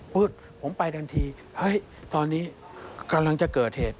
พูดผมไปทันทีเฮ้ยตอนนี้กำลังจะเกิดเหตุ